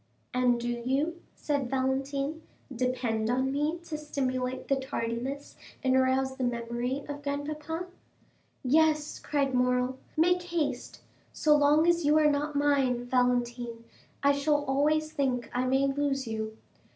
"And do you," said Valentine, "depend on me to stimulate the tardiness and arouse the memory of grandpapa?" "Yes," cried Morrel, "make haste. So long as you are not mine, Valentine, I shall always think I may lose you."